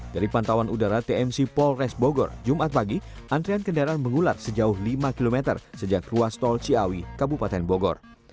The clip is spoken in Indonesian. dari pantauan udara tmc polres bogor jumat pagi antrian kendaraan mengular sejauh lima km sejak ruas tol ciawi kabupaten bogor